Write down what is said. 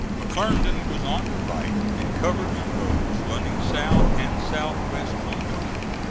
McClernand was on the right and covered the roads running south and south west from Dover.